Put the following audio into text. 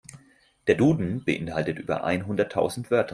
Der Duden beeinhaltet über einhunderttausend Wörter.